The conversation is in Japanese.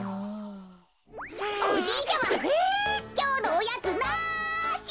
おじいちゃまきょうのおやつなし！